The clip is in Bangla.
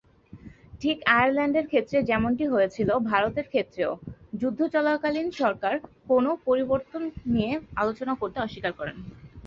ঠিক আয়ারল্যান্ডের ক্ষেত্রে যেমনটি হয়েছিল ভারতের ক্ষেত্রেও, যুদ্ধ চলাকালীন সরকার কোনও পরিবর্তন নিয়ে আলোচনা করতে অস্বীকার করে।